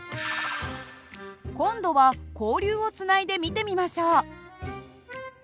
今度は交流をつないで見てみましょう。